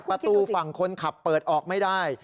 ประตูฝั่งคนขับเปิดออกไม่ได้